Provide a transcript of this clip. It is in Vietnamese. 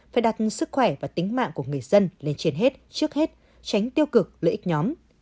phải đặt sức khỏe và tính mạng của người dân lên trên hết trước hết tránh tiêu cực lợi ích nhóm